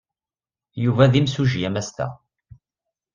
Yuba d imsujji amastaɣ.